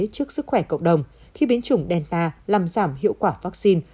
trước sức khỏe cộng đồng khi biến chủng delta làm giảm hiệu quả vaccine